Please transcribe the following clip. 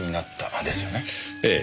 ええ。